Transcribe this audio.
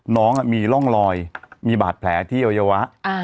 น้องมีร่องรอยมีบาดแผลที่อวัยวะ